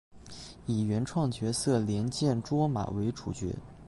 以原创角色莲见琢马为主角。